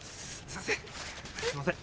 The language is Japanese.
すいません。